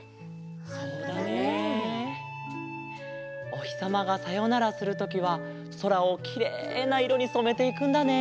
おひさまがさよならするときはそらをきれいないろにそめていくんだね！